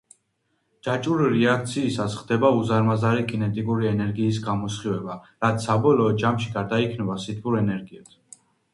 ჯაჭვური რეაქციისას ხდება უზარმაზარი კინეტიკური ენერგიის გამოსხივება, რაც საბოლოო ჯამში გარდაიქმნება სითბურ ენერგიად.